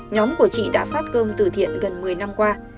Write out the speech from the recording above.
nhóm của chị đã phát cơm từ thiện gần một mươi năm qua